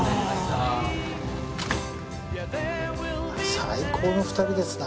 最高の２人ですな。